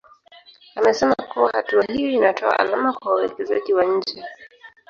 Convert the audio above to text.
Amesema kuwa hatua hiyo inatoa alama kwa wawekezaji wa nje